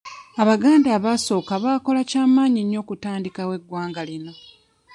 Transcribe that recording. Abaganda abaasooka baakola kya maanyi nnyo okutandikawo eggwanga lino.